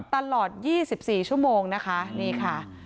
ตลอด๒๔ชั่วโมงนะคะนี่ค่ะ